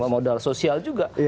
modal sosial juga